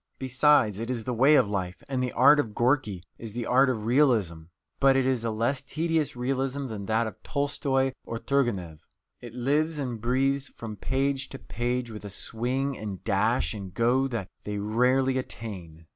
Besides, it is the way of life, and the art of Gorky is the art of realism. But it is a less tedious realism than that of Tolstoy or Turgenev. It lives and breathes from page to page with a swing and dash and go that they rarely attain.